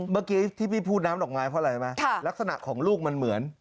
เมื่อกี้ที่พี่พูดน้ำดอกไม้เพราะอะไรไหมลักษณะของลูกมันเหมือน